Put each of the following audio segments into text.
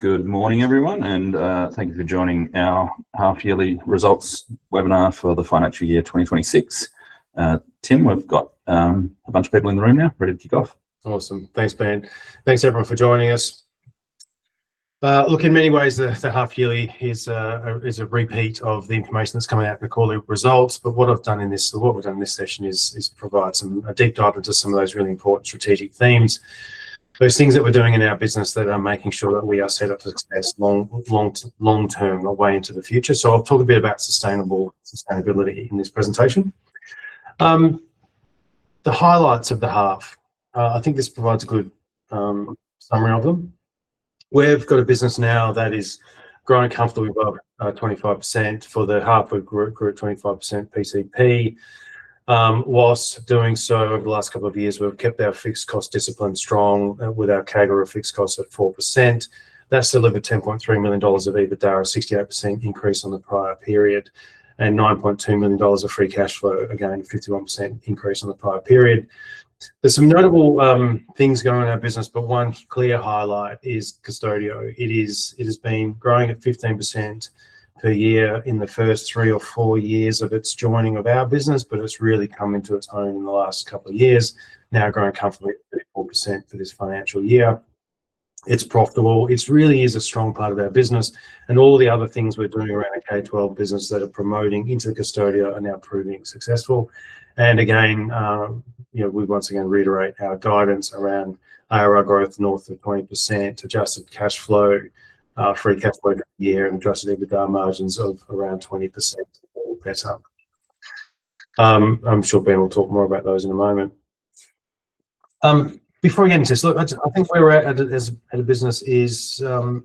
Good morning, everyone, and thank you for joining our half-yearly results webinar for the financial year, 2026. Tim, we've got a bunch of people in the room now, ready to kick off. Awesome. Thanks, Ben. Thanks, everyone, for joining us. Look, in many ways, the half-yearly is a repeat of the information that's coming out in the quarterly results. What we've done in this session is provide some, a deep dive into some of those really important strategic themes. Those things that we're doing in our business that are making sure that we are set up for success long-term, way into the future. I'll talk a bit about sustainability in this presentation. The highlights of the half, I think this provides a good summary of them. We've got a business now that is growing comfortably above 25%. For the half, we grew at 25% PCP. Whilst doing so, over the last couple of years, we've kept our fixed cost discipline strong, with our CAGR of fixed costs at 4%. That's delivered 10.3 million dollars of EBITDA, a 68% increase on the prior period, and 9.2 million dollars of free cash flow, again, a 51% increase on the prior period. There's some notable things going on in our business, but one clear highlight is Qustodio. It has been growing at 15% per year in the first three or four years of its joining of our business, but it's really come into its own in the last couple of years. Now growing comfortably at 4% for this financial year. It's profitable. It's really is a strong part of our business. All the other things we're doing around the K-12 business that are promoting into the Qustodio are now proving successful. Again, you know, we once again reiterate our guidance around ARR growth north of 20%, adjusted cash flow, free cash flow year, and adjusted EBITDA margins of around 20% or better. I'm sure Ben will talk more about those in a moment. Before I get into this, look, I think where we're at as a business is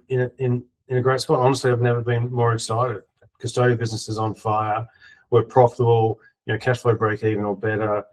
in a great spot. Honestly, I've never been more excited. Qustodio business is on fire. We're profitable, you know, cash flow, break even or better.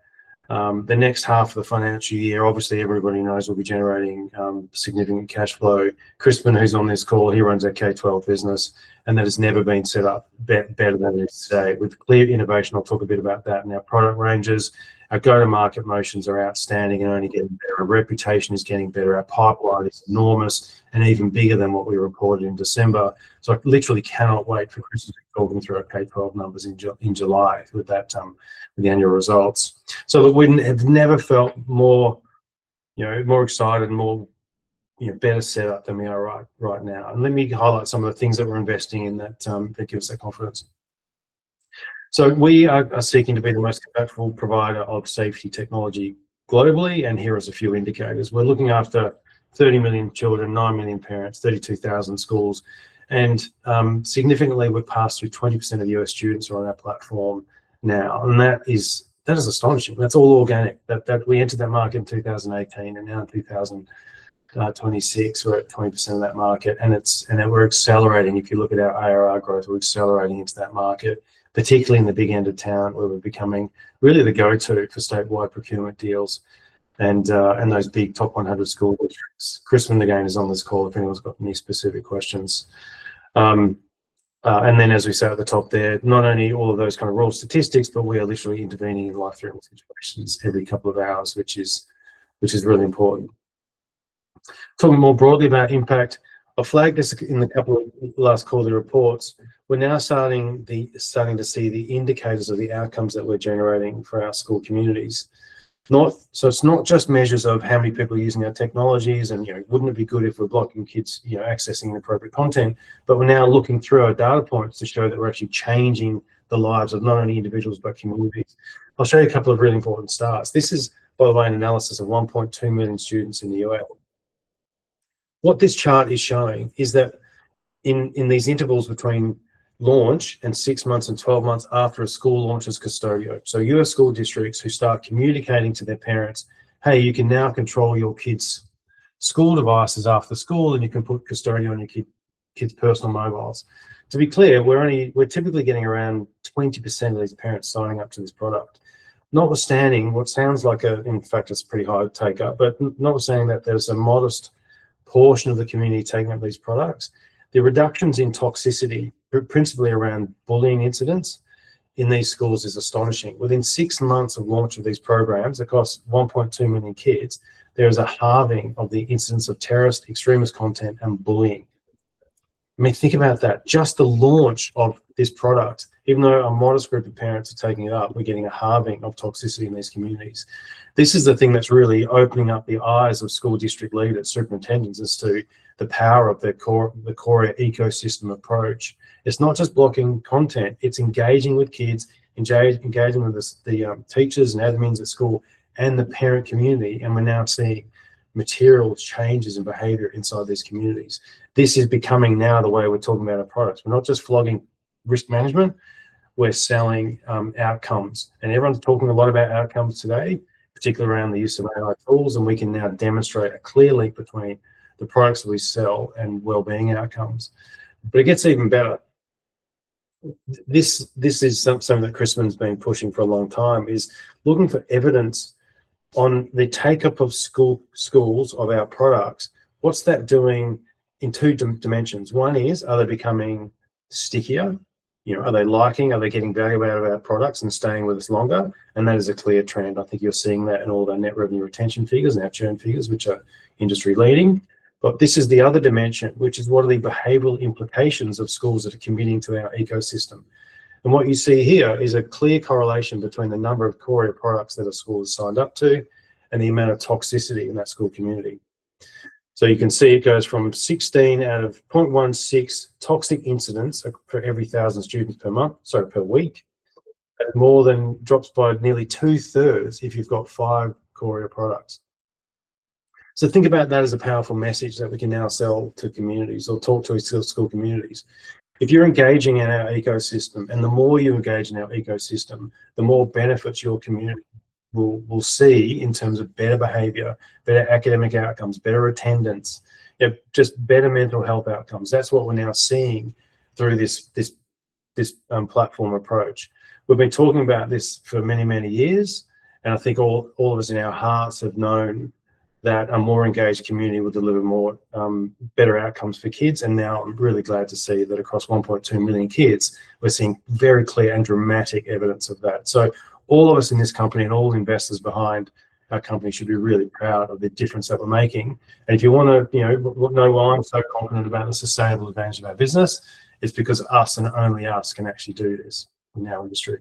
The next half of the financial year, obviously, everybody knows we'll be generating significant cash flow. Crispin, who's on this call, he runs our K-12 business. That has never been set up better than it is today. With clear innovation, I'll talk a bit about that, and our product ranges. Our go-to-market motions are outstanding and only getting better. Our reputation is getting better. Our pipeline is enormous and even bigger than what we reported in December. I literally cannot wait for Crispin to be talking through our K-12 numbers in July with that, the annual results. We have never felt more, you know, more excited and more, you know, better set up than we are right now. Let me highlight some of the things that we're investing in that gives us that confidence. We are seeking to be the most compatible provider of safety technology globally. Here is a few indicators. We're looking after 30 million children, 9 million parents, 32,000 schools. Significantly, we've passed through 20% of US students are on our platform now. That is astonishing. That's all organic. We entered that market in 2018. Now in 2026, we're at 20% of that market. Then we're accelerating. If you look at our ARR growth, we're accelerating into that market, particularly in the big end of town, where we're becoming really the go-to for statewide procurement deals. Those big top 100 schools, which Crispin, again, is on this call if anyone's got any specific questions. As we said at the top there, not only all of those kind of raw statistics, but we are literally intervening in life-threatening situations every couple of hours, which is really important. Talking more broadly about impact, I flagged this in a couple of last quarterly reports. We're now starting to see the indicators or the outcomes that we're generating for our school communities. It's not just measures of how many people are using our technologies and, you know, wouldn't it be good if we're blocking kids, you know, accessing inappropriate content, but we're now looking through our data points to show that we're actually changing the lives of not only individuals, but communities. I'll show you a couple of really important stats. This is, by the way, an analysis of 1.2 million students in the U.S. What this chart is showing is that in these intervals between launch and 6 months and 12 months after a school launches Qustodio, so U.S. school districts who start communicating to their parents, "Hey, you can now control your kids' school devices after school, and you can put Qustodio on your kids' personal mobiles." To be clear, we're typically getting around 20% of these parents signing up to this product. Notwithstanding, what sounds like a, in fact, it's a pretty high take-up. Notwithstanding that, there's a modest portion of the community taking up these products. The reductions in toxicity, principally around bullying incidents, in these schools is astonishing. Within 6 months of launch of these programs, across 1.2 million kids, there is a halving of the incidents of terrorist, extremist content, and bullying. I mean, think about that. Just the launch of this product, even though a modest group of parents are taking it up, we're getting a halving of toxicity in these communities. This is the thing that's really opening up the eyes of school district leaders, superintendents, as to the power of the core, the core ecosystem approach. It's not just blocking content, it's engaging with kids, engaging with the teachers and admins at school and the parent community. We're now seeing material changes in behavior inside these communities. This is becoming now the way we're talking about our products. We're not just flogging risk management, we're selling outcomes. Everyone's talking a lot about outcomes today, particularly around the use of AI tools, and we can now demonstrate a clear link between the products we sell and wellbeing outcomes. It gets even better. This is something that Crispin's been pushing for a long time, is looking for evidence on the take-up of schools of our products. What's that doing in two dimensions? One is, are they becoming stickier? You know, are they liking? Are they getting value out of our products and staying with us longer? That is a clear trend. I think you're seeing that in all our net revenue retention figures and our churn figures, which are industry-leading. This is the other dimension, which is what are the behavioral implications of schools that are committing to our ecosystem? What you see here is a clear correlation between the number of Qoria products that a school is signed up to, and the amount of toxicity in that school community. You can see it goes from 16 out of 0.16 toxic incidents for every 1,000 students per month, sorry, per week, and more than drops by nearly two-thirds if you've got 5 Qoria products. Think about that as a powerful message that we can now sell to communities or talk to school communities. If you're engaging in our ecosystem, and the more you engage in our ecosystem, the more benefits your community will see in terms of better behavior, better academic outcomes, better attendance, just better mental health outcomes. That's what we're now seeing through this platform approach. We've been talking about this for many, many years, and I think all of us in our hearts have known that a more engaged community will deliver more better outcomes for kids. Now I'm really glad to see that across 1.2 million kids, we're seeing very clear and dramatic evidence of that. All of us in this company, and all the investors behind our company, should be really proud of the difference that we're making. If you wanna, you know why I'm so confident about the sustainable advantage of our business, it's because us and only us can actually do this in our industry.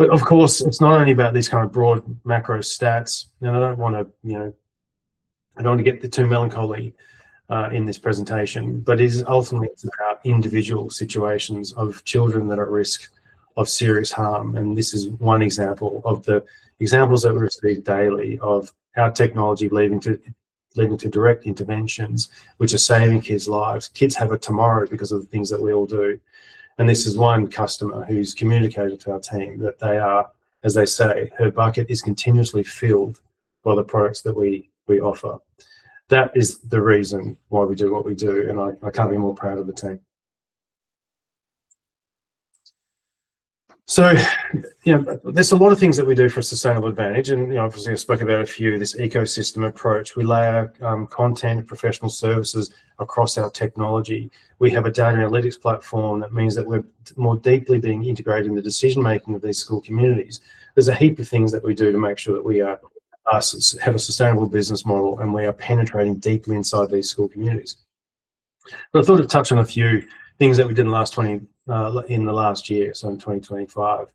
Of course, it's not only about these kind of broad macro stats, and I don't wanna, you know, I don't wanna get too melancholy in this presentation, but it's ultimately it's about individual situations of children that are at risk of serious harm. This is one example of the examples that we receive daily of our technology leading to direct interventions, which are saving kids' lives. Kids have a tomorrow because of the things that we all do. This is one customer who's communicated to our team that they are, as they say, her bucket is continuously filled by the products that we offer. That is the reason why we do what we do, and I can't be more proud of the team. You know, there's a lot of things that we do for a sustainable advantage, and, you know, obviously, I've spoke about a few, this ecosystem approach. We lay our content, professional services across our technology. We have a data analytics platform that means that we're more deeply being integrated in the decision making of these school communities. There's a heap of things that we do to make sure that we are, us, have a sustainable business model, and we are penetrating deeply inside these school communities. I thought I'd touch on a few things that we did in the last year, so in 2025.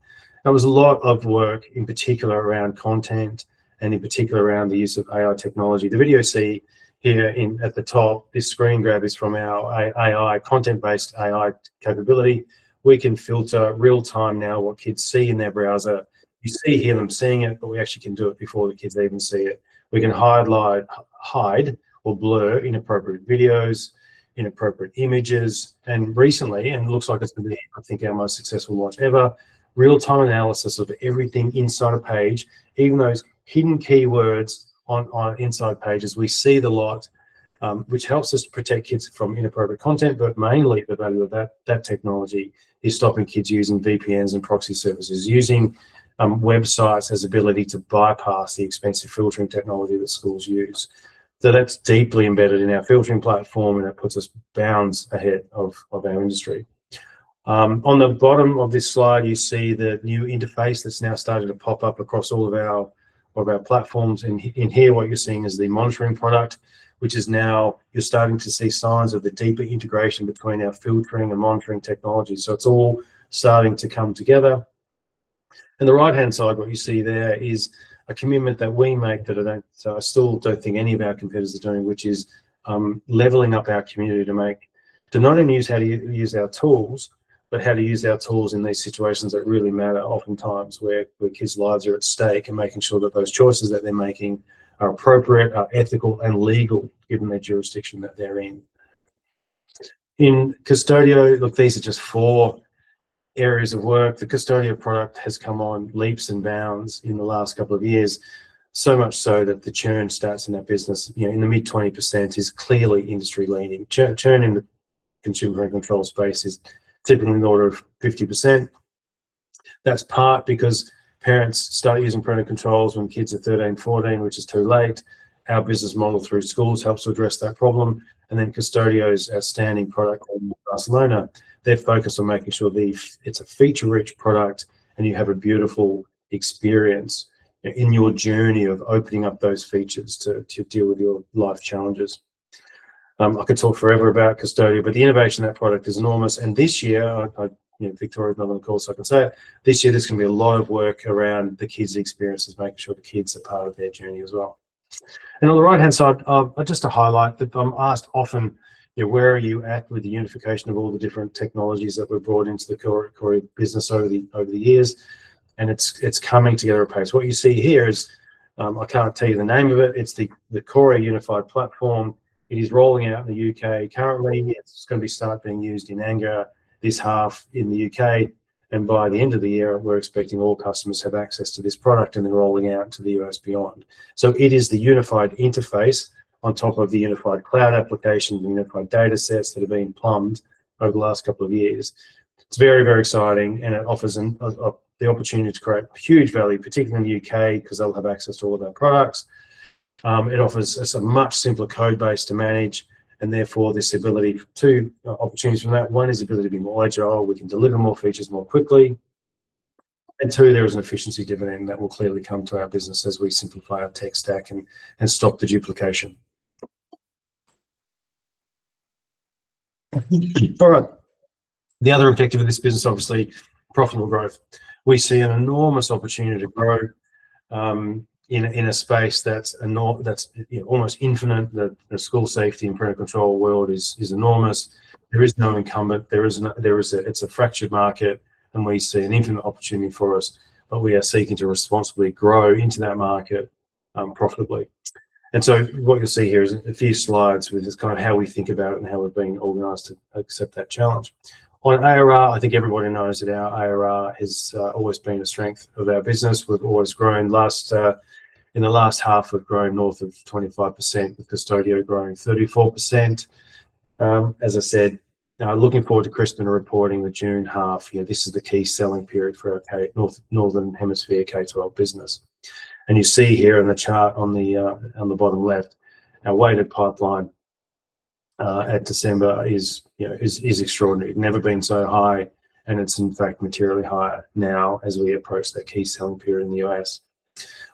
There was a lot of work, in particular, around content, and in particular, around the use of AI technology. The video you see here in, at the top, this screen grab is from our AI, content-based AI capability. We can filter real-time now what kids see in their browser. You see here them seeing it, but we actually can do it before the kids even see it. We can highlight, hide or blur inappropriate videos, inappropriate images, and recently, and it looks like it's gonna be, I think, our most successful launch ever, real-time analysis of everything inside a page, even those hidden keywords on inside pages. We see the lot, which helps us protect kids from inappropriate content, but mainly the value of that technology is stopping kids using VPNs and proxy services, using websites as ability to bypass the expensive filtering technology that schools use. That's deeply embedded in our filtering platform, and it puts us bounds ahead of our industry. On the bottom of this slide, you see the new interface that's now starting to pop up across all of our platforms. In here, what you're seeing is the monitoring product, which is now you're starting to see signs of the deeper integration between our filtering and monitoring technology. It's all starting to come together. In the right-hand side, what you see there is a commitment that we make that I still don't think any of our competitors are doing, which is leveling up our community to not only use how to use our tools, but how to use our tools in these situations that really matter, oftentimes, where the kids' lives are at stake, and making sure that those choices that they're making are appropriate, are ethical and legal, given the jurisdiction that they're in. In Qustodio, look, these are just four areas of work. The Qustodio product has come on leaps and bounds in the last couple of years, so much so that the churn starts in that business, you know, in the mid-20% is clearly industry-leading. Churn in the consumer and control space is typically in the order of 50%. That's part because parents start using parental controls when kids are 13, 14, which is too late. Our business model through schools helps to address that problem, Qustodio's outstanding product called Qustodio. They're focused on making sure it's a feature-rich product, and you have a beautiful experience in your journey of opening up those features to deal with your life challenges. I could talk forever about Qustodio, the innovation of that product is enormous. This year, I, you know, Victoria's not on the call, so I can say it. This year, there's gonna be a lot of work around the kids' experiences, making sure the kids are part of their journey as well. On the right-hand side, just to highlight that I'm asked often, you know, where are you at with the unification of all the different technologies that were brought into the Qoria business over the years, and it's coming together apace. What you see here is, I can't tell you the name of it's the Qoria Unified Platform. It is rolling out in the U.K. currently. It's going to start being used in anger this half in the U.K., and by the end of the year, we're expecting all customers to have access to this product, and they're rolling out to the U.S. beyond. It is the unified interface on top of the unified cloud applications and unified data sets that have been plumbed over the last couple of years. It's very, very exciting, and it offers an, a, the opportunity to create huge value, particularly in the UK, because they'll have access to all of our products. It offers us a much simpler code base to manage, and therefore, this ability to opportunities from that. One is the ability to be more agile. We can deliver more features more quickly, and two, there is an efficiency dividend that will clearly come to our business as we simplify our tech stack and stop the duplication. All right. The other objective of this business, obviously, profitable growth. We see an enormous opportunity to grow in a in a space that's that's almost infinite. The, the school safety and parental control world is enormous. There is no incumbent. There is a... It's a fractured market. We see an infinite opportunity for us, but we are seeking to responsibly grow into that market profitably. What you'll see here is a few slides, which is kind of how we think about it and how we've been organized to accept that challenge. On ARR, I think everybody knows that our ARR has always been a strength of our business. We've always grown. Last in the last half, we've grown north of 25%, with Qustodio growing 34%. As I said, looking forward to Crispin reporting the June half. You know, this is the key selling period for our northern hemisphere K-12 business. You see here in the chart on the bottom left, our weighted pipeline at December is, you know, is extraordinary. Never been so high, and it's in fact materially higher now as we approach the key selling period in the U.S.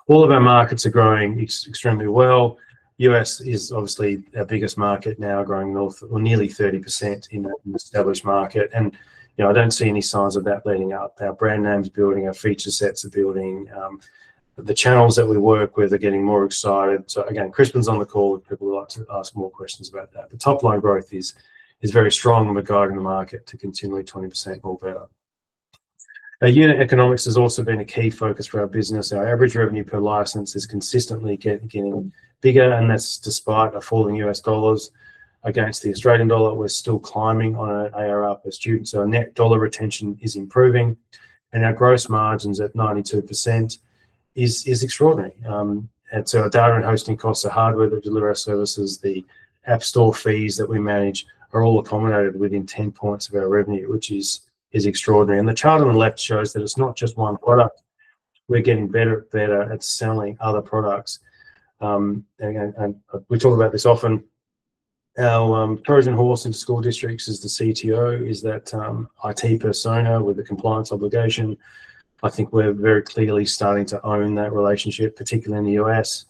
All of our markets are growing extremely well. U.S. is obviously our biggest market now, growing north of nearly 30% in an established market, and, you know, I don't see any signs of that letting up. Our brand name's building, our feature sets are building. The channels that we work with are getting more excited. Again, Crispin's on the call if people would like to ask more questions about that. The top-line growth is very strong and we're growing the market to continually 20% or better. Our unit economics has also been a key focus for our business. Our average revenue per license is consistently getting bigger, and that's despite a falling U.S. dollars against the Australian dollar. We're still climbing on our ARR per student, so our net dollar retention is improving, and our gross margins at 92% is extraordinary. Our data and hosting costs, the hardware that deliver our services, the app store fees that we manage are all accommodated within 10 points of our revenue, which is extraordinary. The chart on the left shows that it's not just one product. We're getting better at selling other products. Again, we talk about this often, our Trojan Horse in school districts is the CTO, is that IT persona with the compliance obligation. I think we're very clearly starting to own that relationship, particularly in the US.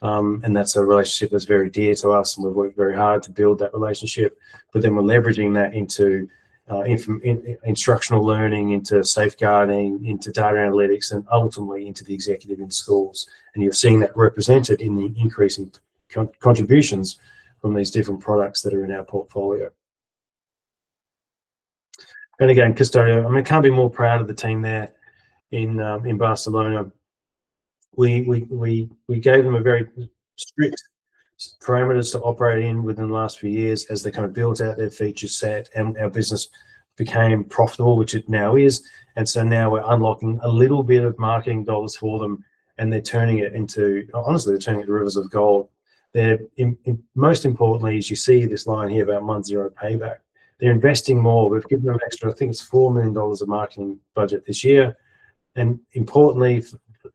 That's a relationship that's very dear to us, and we've worked very hard to build that relationship. We're leveraging that into instructional learning, into safeguarding, into data analytics, and ultimately, into the executive in schools. You're seeing that represented in the increase in contributions from these different products that are in our portfolio. Again, Qustodio, I mean, I can't be more proud of the team there in Qustodio. We gave them a very strict parameters to operate in within the last few years as they kind of built out their feature set and our business became profitable, which it now is. So now we're unlocking a little bit of marketing dollars for them, and they're turning it into... Honestly, they're turning it to rivers of gold. Most importantly, as you see this line here about month zero payback, they're investing more. We've given them an extra, I think it's 4 million dollars of marketing budget this year. Importantly,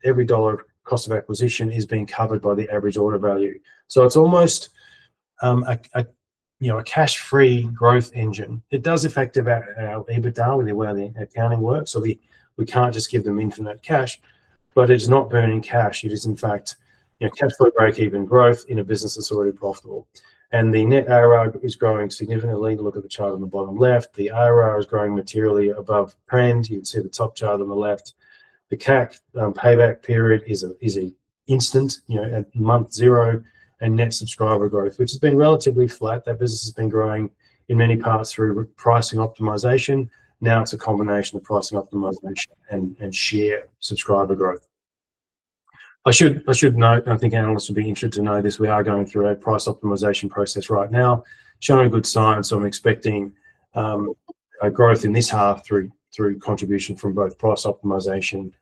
every dollar cost of acquisition is being covered by the average order value. It's almost, you know, a cash-free growth engine. It does affect our EBITDA with the way the accounting works, so we can't just give them infinite cash, but it's not burning cash. It is, in fact, you know, cash flow break-even growth in a business that's already profitable. The net ARR is growing significantly. Look at the chart on the bottom left, the ARR is growing materially above planned. You can see the top chart on the left. The CAC payback period is instant, you know, at month zero. Net subscriber growth, which has been relatively flat, that business has been growing in many parts through pricing optimization. It's a combination of pricing optimization and sheer subscriber growth. I should note, I think analysts will be interested to know this, we are going through a price optimization process right now, showing good signs. I'm expecting a growth in this half through contribution from both price optimization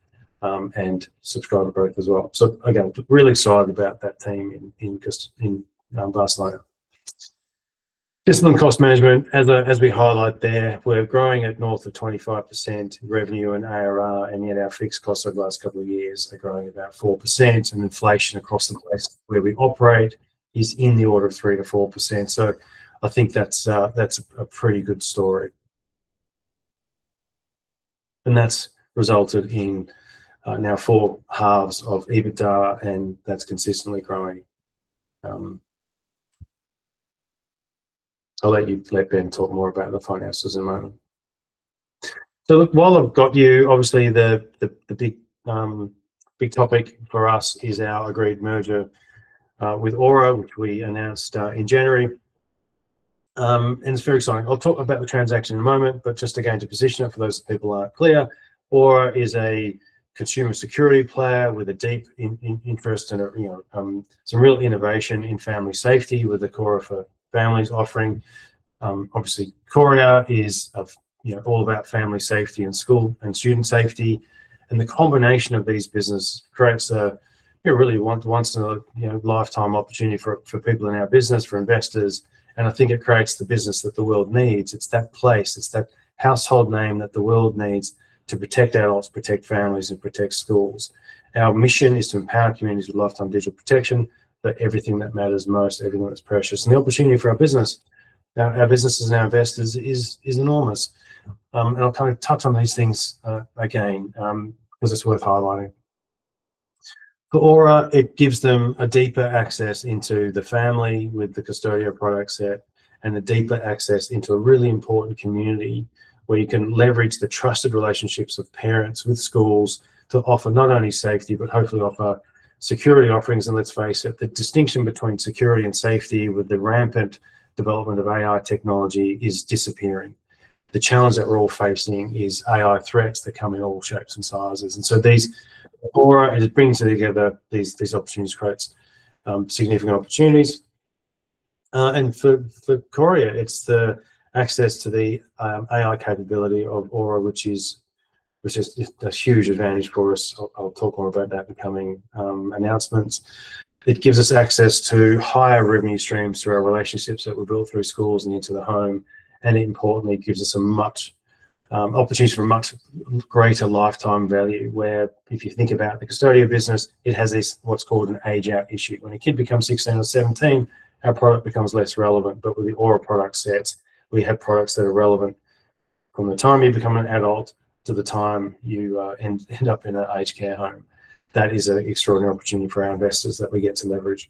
and subscriber growth as well. Again, really excited about that team in Qustodio. Discipline cost management. As we highlight there, we're growing at north of 25% revenue and ARR, and yet our fixed costs over the last couple of years are growing about 4%, and inflation across the places where we operate is in the order of 3%-4%. I think that's a pretty good story. That's resulted in 4 halves of EBITDA, and that's consistently growing. I'll let Ben talk more about the finances in a moment. Look, while I've got you, obviously, the big topic for us is our agreed merger with Aura, which we announced in January. It's very exciting. I'll talk about the transaction in a moment, just again, to position it for those people who aren't clear, Aura is a consumer security player with a deep interest in, you know, some real innovation in family safety with the Qoria for families offering. Obviously, Qoria is of, you know, all about family safety and school and student safety, and the combination of these business creates a, you know, really once in a, you know, lifetime opportunity for people in our business, for investors, and I think it creates the business that the world needs. It's that place, it's that household name that the world needs to protect adults, protect families, and protect schools. Our mission is to empower communities with lifetime digital protection for everything that matters most, everyone that's precious. I'll kind of touch on these things again because it's worth highlighting. For Aura, it gives them a deeper access into the family with the Qustodio product set, and a deeper access into a really important community, where you can leverage the trusted relationships of parents with schools to offer not only safety, but hopefully offer security offerings. Let's face it, the distinction between security and safety with the rampant development of AI technology is disappearing. The challenge that we're all facing is AI threats that come in all shapes and sizes. These, Aura, as it brings together these options, creates significant opportunities. For Qoria, it's the access to the AI capability of Aura, which is a huge advantage for us. I'll talk more about that in the coming announcements. It gives us access to higher revenue streams through our relationships that were built through schools and into the home, and importantly, it gives us a much opportunities for a much greater lifetime value, where if you think about the Qustodio business, it has this, what's called an age-out issue. When a kid becomes 16 or 17, our product becomes less relevant. With the Aura product set, we have products that are relevant from the time you become an adult to the time you end up in a aged care home. That is an extraordinary opportunity for our investors that we get to leverage.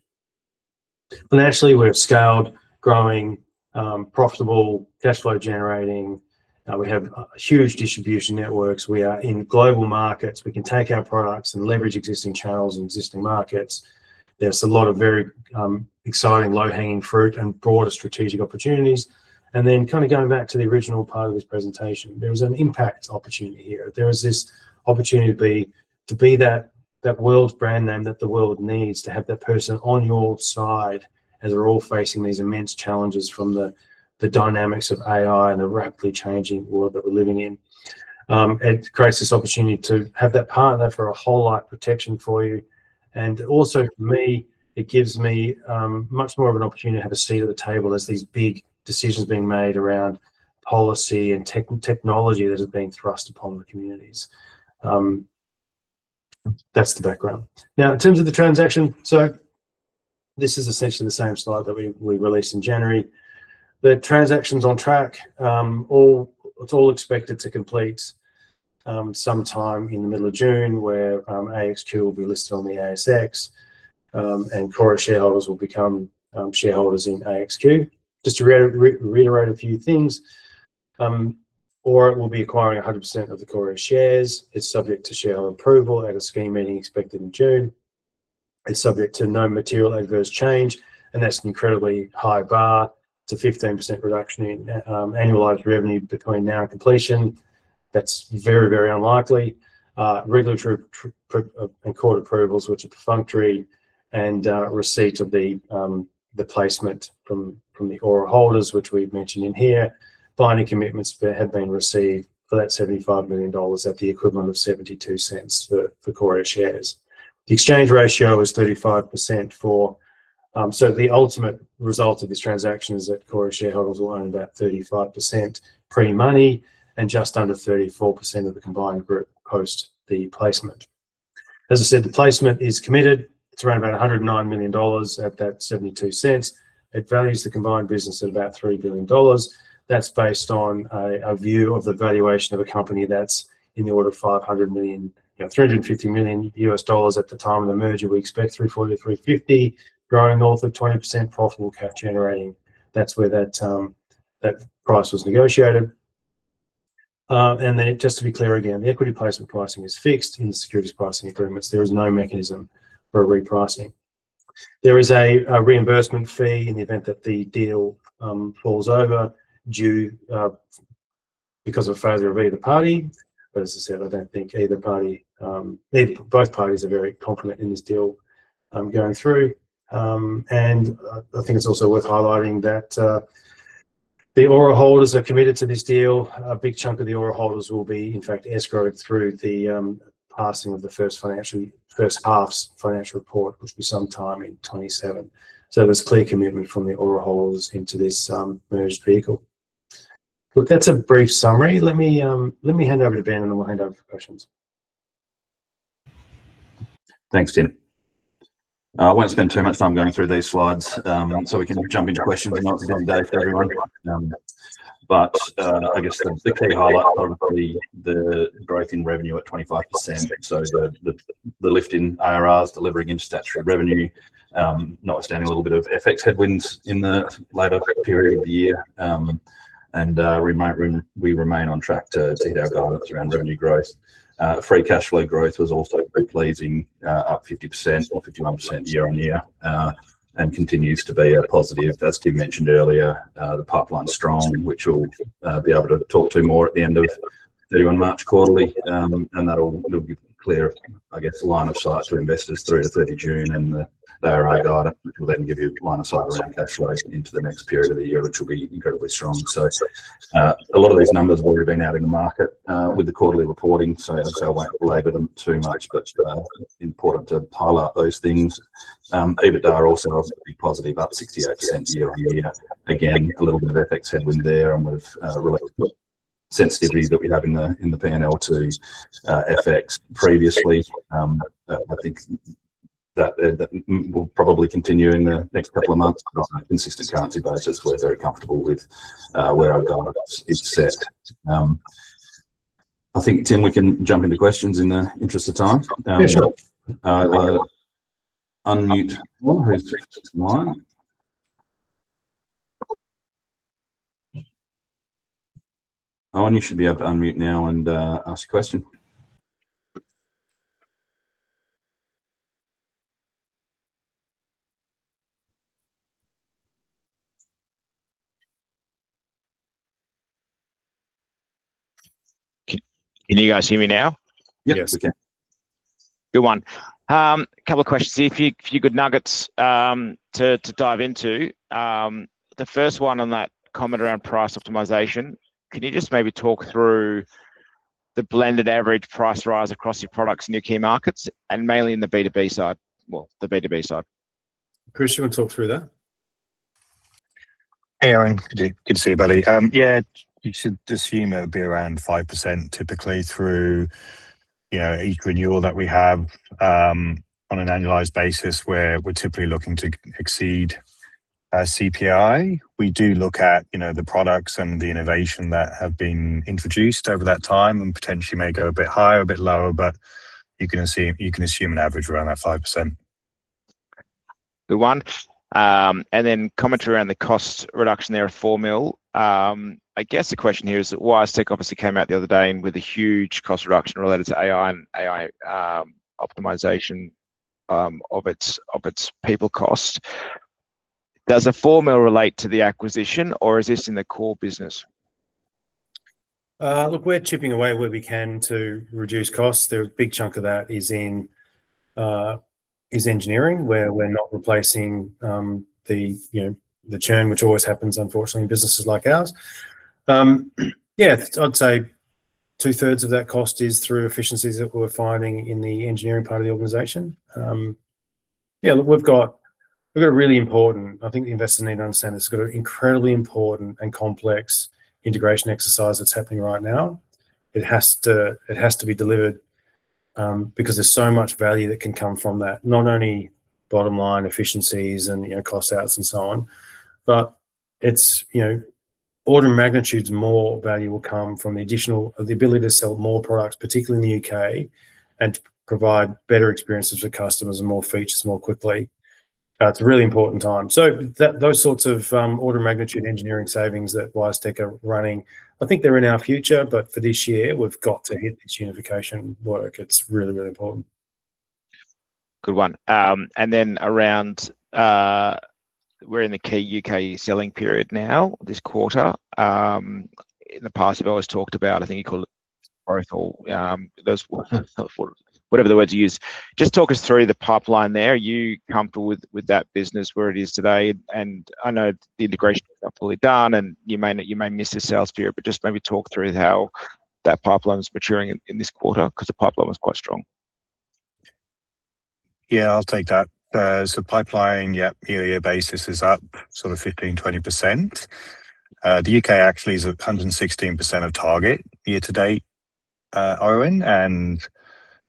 Financially, we're scaled, growing, profitable, cash flow generating. We have huge distribution networks. We are in global markets. We can take our products and leverage existing channels and existing markets. There's a lot of very exciting low-hanging fruit and broader strategic opportunities. Then kinda going back to the original part of this presentation, there is an impact opportunity here. There is this opportunity to be that world brand name that the world needs to have that person on your side as we're all facing these immense challenges from the dynamics of AI and the rapidly changing world that we're living in. It creates this opportunity to have that partner for a whole lot of protection for you. Also for me, it gives me much more of an opportunity to have a seat at the table as these big decisions are being made around policy and technology that are being thrust upon the communities. That's the background. In terms of the transaction, this is essentially the same slide that we released in January. The transaction's on track, it's all expected to complete sometime in the middle of June, where AXQ will be listed on the ASX, and Qoria shareholders will become shareholders in AXQ. Just to reiterate a few things, Aura will be acquiring 100% of the Qoria shares. It's subject to shareholder approval at a scheme meeting expected in June. It's subject to no material adverse change, and that's an incredibly high bar. It's a 15% reduction in annualized revenue between now and completion. That's very unlikely. Regulatory and court approvals, which are perfunctory, and receipt of the placement from the Aura holders, which we've mentioned in here. Binding commitments have been received for that 75 million dollars at the equivalent of 0.72 for Qoria shares. The exchange ratio is 35%. The ultimate result of this transaction is that Qoria shareholders will own about 35% pre-money, and just under 34% of the combined group post the placement. As I said, the placement is committed. It's around about 109 million dollars at that 0.72. It values the combined business at about 3 billion dollars. That's based on a view of the valuation of a company that's in the order of 500 million, you know, $350 million USD at the time of the merger. We expect $340 million, $350 million, growing north of 20% profitable cash generating. That's where that price was negotiated. Just to be clear, again, the equity placement pricing is fixed in the securities pricing agreements. There is no mechanism for a repricing. There is a reimbursement fee in the event that the deal falls over due because of failure of either party. As I said, I don't think either party, both parties are very confident in this deal going through. I think it's also worth highlighting that the Aura holders are committed to this deal. A big chunk of the Aura holders will be, in fact, escrowed through the passing of the first half's financial report, which will be sometime in 2027. There's clear commitment from the Aura holders into this merged vehicle. Look, that's a brief summary. Let me hand over to Ben, and then we'll hand over for questions. Thanks, Tim. I won't spend too much time going through these slides, so we can jump into questions and not be all day for everyone. I guess the key highlight, probably the growth in revenue at 25%, so the lift in ARR delivering into that straight revenue, notwithstanding a little bit of FX headwinds in the latter period of the year, we remain on track to meet our targets around revenue growth. Free cash flow growth was also quite pleasing, up 50% or 51% year-on-year, and continues to be a positive. As Tim mentioned earlier, the pipeline's strong, which we'll be able to talk to more at the end of the on March quarterly, that'll, it'll be clear, I guess, line of sight for investors through to 30 June and the FY audit, which will then give you line of sight around cash flow into the next period of the year, which will be incredibly strong. A lot of these numbers will have been out in the market with the quarterly reporting, I won't labor them too much, but important to highlight those things. EBITDA also was pretty positive, up 68% year-on-year. Again, a little bit of FX headwind there, and we've relatively sensitivity that we have in the PNL to FX previously. I think. That will probably continue in the next couple of months, but on a consistent currency basis, we're very comfortable with where our guidance is set. I think, Tim, we can jump into questions in the interest of time. Yeah, sure. Unmute. Owen, you should be able to unmute now and ask a question. Can you guys hear me now? Yes, we can. Yes. Good one. A couple of questions, a few good nuggets to dive into. The first one on that comment around price optimization, can you just maybe talk through the blended average price rise across your products in your key markets, and mainly in the B2B side? Crispin, you want to talk through that? Hey, Owen. Good to see you, buddy. Yeah, you should assume it would be around 5%, typically, through, you know, each renewal that we have, on an annualized basis, where we're typically looking to exceed CPI. We do look at, you know, the products and the innovation that have been introduced over that time, and potentially may go a bit higher or a bit lower, but you can assume an average around that 5%. Good one. Commentary around the cost reduction there of 4 million. I guess the question here is, WiseTech obviously came out the other day with a huge cost reduction related to AI and AI optimization of its people cost. Does the AUD 4 million relate to the acquisition, or is this in the core business? Look, we're chipping away where we can to reduce costs. The big chunk of that is in engineering, where we're not replacing, you know, the churn, which always happens, unfortunately, in businesses like ours. Yeah, I'd say 2/3 of that cost is through efficiencies that we're finding in the engineering part of the organization. Yeah, look, I think the investors need to understand this, we've got an incredibly important and complex integration exercise that's happening right now. It has to be delivered, because there's so much value that can come from that. Not only bottom line efficiencies and, you know, cost outs and so on, but it's, you know, order of magnitudes more value will come from the additional, the ability to sell more products, particularly in the UK, and provide better experiences for customers and more features more quickly. It's a really important time. That, those sorts of, order magnitude engineering savings that WiseTech are running, I think they're in our future, but for this year, we've got to hit this unification work. It's really, really important. Good one. Then around, we're in the key UK selling period now, this quarter. In the past, you've always talked about, I think you call it growth or those, whatever the word to use. Just talk us through the pipeline there. Are you comfortable with that business where it is today? I know the integration is not fully done, and you may miss a sales period, but just maybe talk through how that pipeline is maturing in this quarter, 'cause the pipeline was quite strong. Yeah, I'll take that. Pipeline, yeah, year-on-year basis is up sort of 15%-20%. The U.K. actually is at 116% of target year to date, Owen, and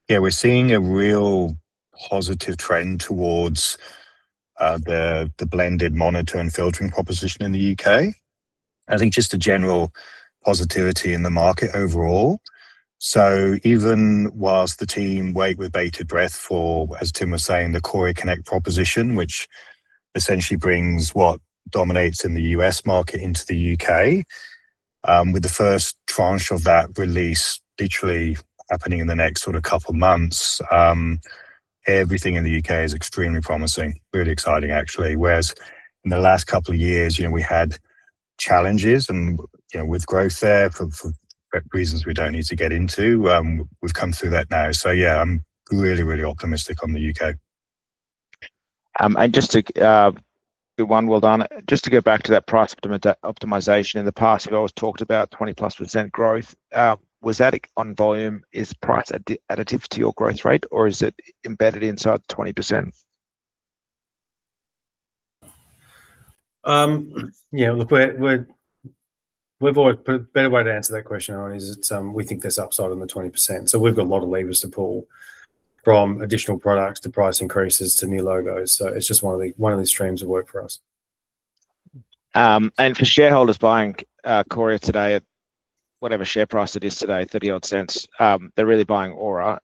yeah, we're seeing a real positive trend towards the blended monitor and filtering proposition in the U.K. I think just a general positivity in the market overall. Even while the team wait with bated breath for, as Tim was saying, the Linewize Connect proposition, which essentially brings what dominates in the U.S. market into the U.K., with the first tranche of that release literally happening in the next sort of couple months, everything in the U.K. is extremely promising. Really exciting, actually. Whereas in the last couple of years, you know, we had challenges and, you know, with growth there, for reasons we don't need to get into, we've come through that now. Yeah, I'm really, really optimistic on the U.K. Just to, good one, well done. Just to go back to that price optimization. In the past, you always talked about 20%+ growth. Was that on volume, is price additive to your growth rate, or is it embedded inside the 20%? Better way to answer that question, Owen, is it's, we think there's upside on the 20%. We've got a lot of levers to pull, from additional products, to price increases, to new logos. It's just one of the streams of work for us. For shareholders buying Qoria today at whatever share price it is today, 30 odd cents, they're really buying Aura.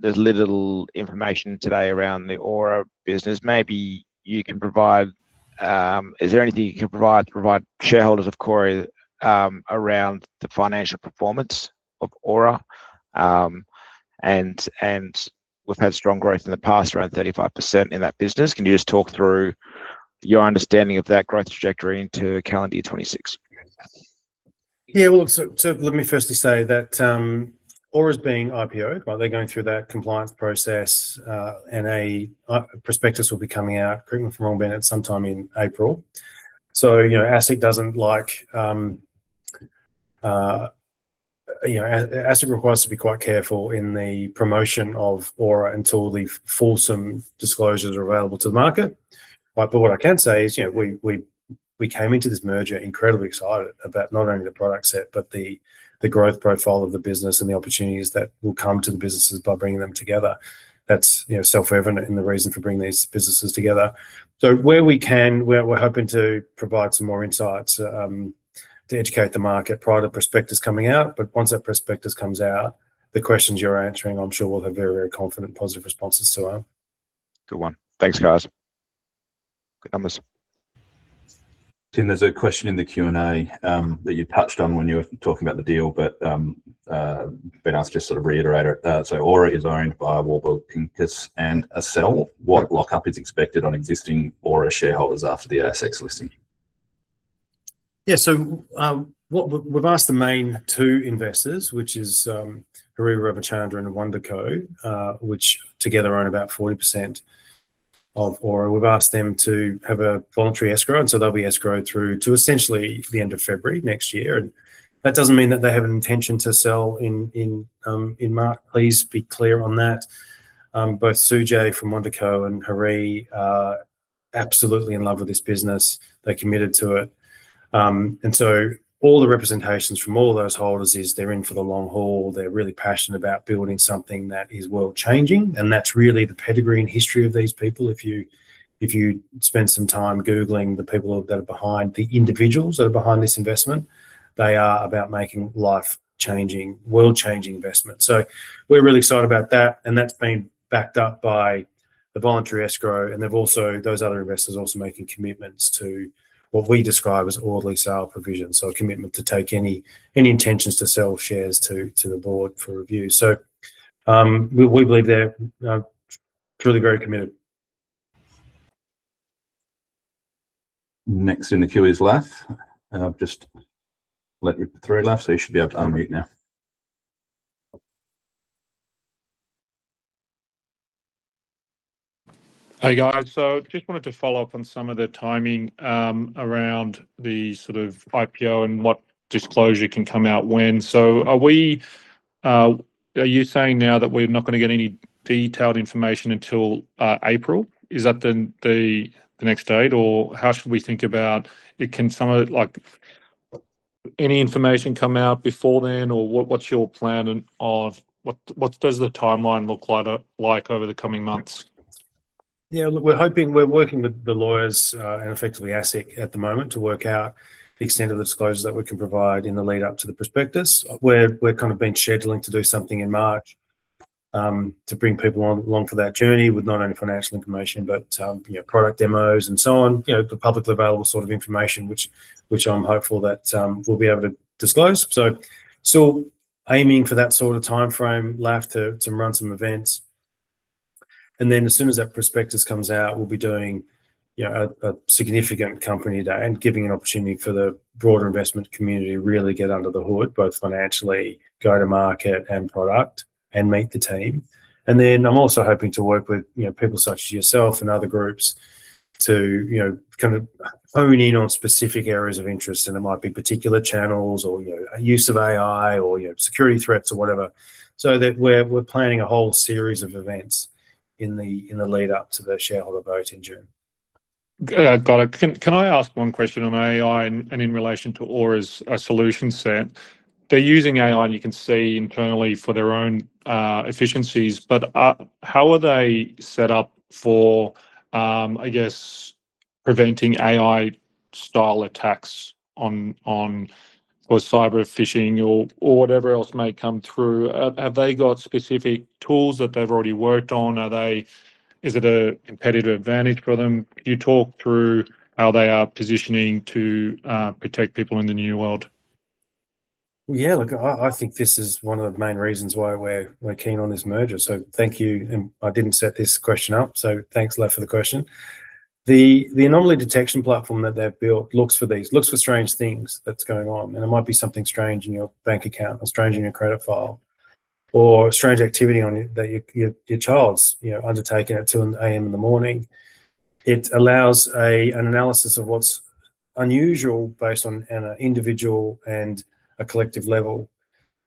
There's little information today around the Aura business. Maybe you can provide, is there anything you can provide shareholders of Qoria around the financial performance of Aura? We've had strong growth in the past, around 35% in that business. Can you just talk through your understanding of that growth trajectory into calendar year 2026? Well, so let me firstly say that Aura's being IPO'd, right? They're going through that compliance process, and a prospectus will be coming out, correct me if I'm wrong, Bennett, sometime in April. You know, ASIC doesn't like, you know, ASIC requires to be quite careful in the promotion of Aura until the full some disclosures are available to the market. What I can say is, you know, we came into this merger incredibly excited about not only the product set, but the growth profile of the business and the opportunities that will come to the businesses by bringing them together. That's, you know, self-evident and the reason for bringing these businesses together. Where we can, we're hoping to provide some more insights to educate the market prior to prospectus coming out. Once that prospectus comes out, the questions you're answering, I'm sure will have very, very confident, positive responses to them. Good one. Thanks, guys. Good numbers. Tim, there's a question in the Q&A, that you touched on when you were talking about the deal, but been asked to just sort of reiterate it. Aura is owned by Warburg Pincus and Accel. What lock-up is expected on existing Aura shareholders after the ASX listing? Yeah. We've asked the main two investors, which is Hari Ravichandran and WndrCo, which together own about 40% of Aura. We've asked them to have a voluntary escrow, and so they'll be escrow through to essentially the end of February next year. That doesn't mean that they have an intention to sell in March. Please be clear on that. Both Sujay from WndrCo and Hari are absolutely in love with this business. They're committed to it. All the representations from all those holders is they're in for the long haul. They're really passionate about building something that is world-changing, and that's really the pedigree and history of these people. If you spend some time Googling the people that are behind, the individuals that are behind this investment, they are about making life-changing, world-changing investments. We're really excited about that. That's been backed up by the voluntary escrow. Those other investors are also making commitments to what we describe as orderly sale provisions, a commitment to take any intentions to sell shares to the board for review. We believe they're truly very committed. Next in the queue is Laf. I've just let you through, Laf, so you should be able to unmute now. Hey, guys. Just wanted to follow up on some of the timing around the sort of IPO and what disclosure can come out when. Are we, are you saying now that we're not gonna get any detailed information until April? Is that the next date, or how should we think about? Can some of it, like, any information come out before then, or what's your plan of, what does the timeline look like over the coming months? Yeah, look, we're hoping, we're working with the lawyers and effectively ASIC at the moment to work out the extent of the disclosures that we can provide in the lead-up to the prospectus. We're kind of been scheduling to do something in March to bring people on, along for that journey with not only financial information, but, you know, product demos and so on. You know, the publicly available sort of information, which I'm hopeful that we'll be able to disclose. Aiming for that sort of timeframe, Laf, to run some events. As soon as that prospectus comes out, we'll be doing, you know, a significant company day and giving an opportunity for the broader investment community to really get under the hood, both financially, go to market and product, and meet the team. I'm also hoping to work with, you know, people such as yourself and other groups to, you know, kind of hone in on specific areas of interest. It might be particular channels or, you know, a use of AI or, you know, security threats or whatever. That we're planning a whole series of events in the lead up to the shareholder vote in June. Got it. Can I ask one question on AI and in relation to Aura's solution set? They're using AI, you can see internally for their own efficiencies, but how are they set up for, I guess, preventing AI-style attacks on or cyber phishing or whatever else may come through? Have they got specific tools that they've already worked on? Is it a competitive advantage for them? Can you talk through how they are positioning to protect people in the new world? Yeah, look, I think this is one of the main reasons why we're keen on this merger, so thank you. I didn't set this question up, so thanks, Laf, for the question. The anomaly detection platform that they've built looks for strange things that's going on, and it might be something strange in your bank account, or strange in your credit file, or strange activity on your child's, you know, undertaking at 2:00 A.M. in the morning. It allows an analysis of what's unusual based on an individual and a collective level.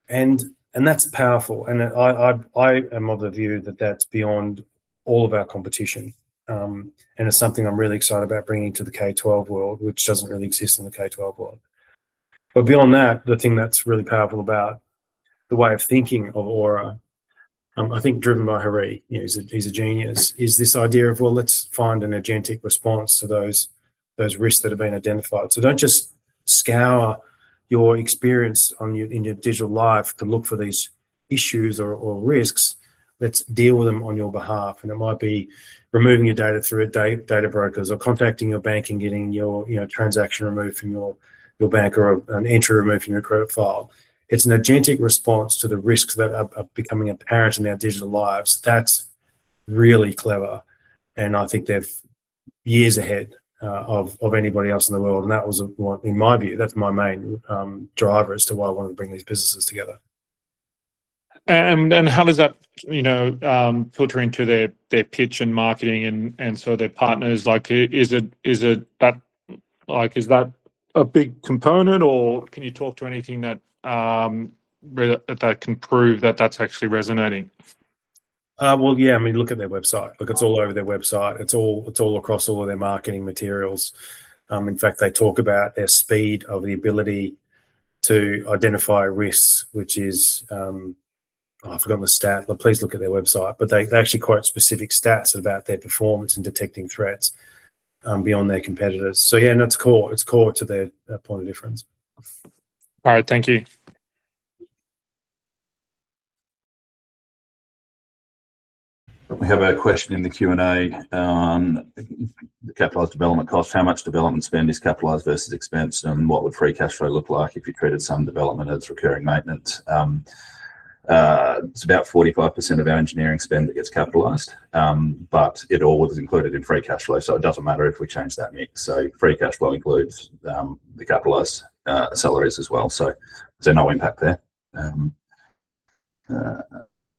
That's powerful. I am of the view that that's beyond all of our competition, and it's something I'm really excited about bringing to the K-12 world, which doesn't really exist in the K-12 world. Beyond that, the thing that's really powerful about the way of thinking of Aura, I think driven by Hari, you know, he's a genius, is this idea of, well, let's find an agentic response to those risks that have been identified. Don't just scour your experience in your digital life to look for these issues or risks, let's deal with them on your behalf. It might be removing your data through data brokers or contacting your bank and getting your, you know, transaction removed from your bank or an entry removed from your credit file. It's an agentic response to the risks that are becoming apparent in our digital lives. That's really clever, and I think they're years ahead of anybody else in the world. That was, well, in my view, that's my main driver as to why I wanted to bring these businesses together. How does that, you know, filter into their pitch and marketing and so their partners, like, is it that, like, is that a big component, or can you talk to anything that can prove that that's actually resonating? Well, yeah. I mean, look at their website. Like, it's all over their website. It's all across all of their marketing materials. In fact, they talk about their speed of the ability to identify risks, which is, I've forgotten the stat, but please look at their website. They actually quote specific stats about their performance in detecting threats, beyond their competitors. Yeah, and that's core, it's core to their point of difference. All right. Thank you. We have a question in the Q&A on the capitalised development cost. How much development spend is capitalized versus expensed, and what would free cash flow look like if you created some development as recurring maintenance? It's about 45% of our engineering spend that gets capitalized, but it all is included in free cash flow, so it doesn't matter if we change that mix. Free cash flow includes the capitalized salaries as well, so there's no impact there.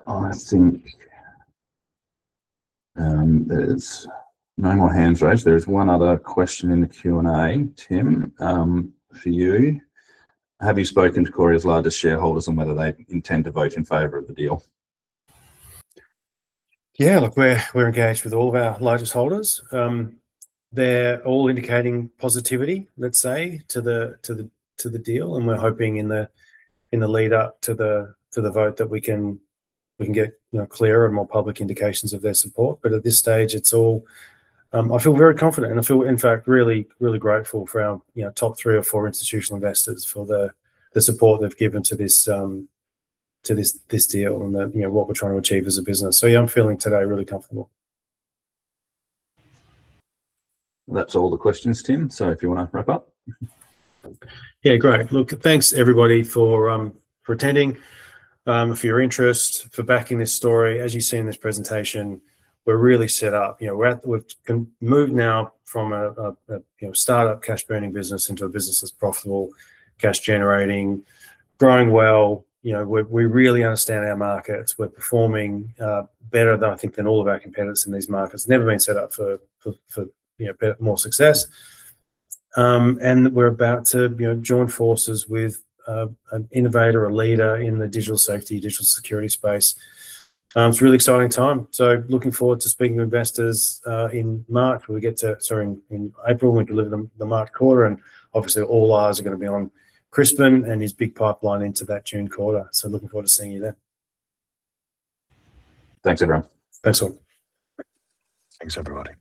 I think there's no more hands raised. There is one other question in the Q&A, Tim, for you. Have you spoken to Qoria's largest shareholders on whether they intend to vote in favor of the deal? Yeah, look, we're engaged with all of our largest holders. They're all indicating positivity, let's say, to the deal. We're hoping in the lead-up to the vote that we can get, you know, clearer and more public indications of their support. At this stage, it's all. I feel very confident, and I feel, in fact, really grateful for our, you know, top three or four institutional investors for the support they've given to this, to this deal and the, you know, what we're trying to achieve as a business. Yeah, I'm feeling today really comfortable. That's all the questions, Tim, so if you want to wrap up. Great. Thanks, everybody, for attending, for your interest, for backing this story. As you see in this presentation, we're really set up. We've moved now from a start-up, cash-burning business into a business that's profitable, cash generating, growing well. We really understand our markets. We're performing better than, I think, than all of our competitors in these markets. Never been set up for more success. We're about to join forces with an innovator, a leader in the digital safety, digital security space. It's a really exciting time. Looking forward to speaking to investors in March, we get to... Sorry, in April, we deliver the March quarter. Obviously all eyes are gonna be on Crispin and his big pipeline into that June quarter. Looking forward to seeing you there. Thanks, everyone. Thanks a lot. Thanks, everybody.